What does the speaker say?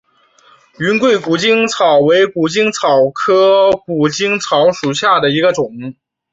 云贵谷精草为谷精草科谷精草属下的一个种。